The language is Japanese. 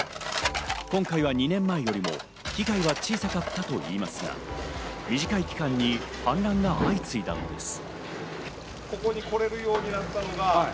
今回は２年前よりも被害は小さかったといいますが、短い期間に氾濫が相次いだのです。